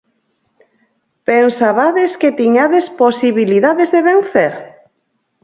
Pensabades que tiñades posibilidades de vencer?